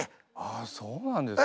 あそうなんですか。